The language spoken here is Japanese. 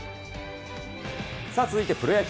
さあ続いてプロ野球。